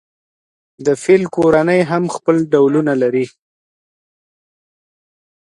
د فیل کورنۍ هم خپل ډولونه لري.